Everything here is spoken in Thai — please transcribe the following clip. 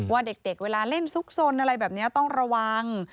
ว่าเด็กเวลาเล่นซุกซนอะไรแบบนี้ต้องระวัง